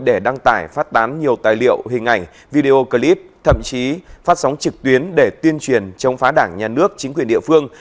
để đăng tải phát tán nhiều tài liệu hình ảnh video clip thậm chí phát sóng trực tuyến để tuyên truyền chống phá đảng nhà nước chính quyền địa phương